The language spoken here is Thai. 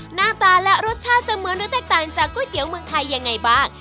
หน้าตาและรสชาติจะเหมือนหรือแตกต่างจากก๋วยเตี๋ยวเมืองไทยยังไงบ้าง